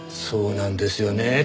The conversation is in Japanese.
そうなんですよね。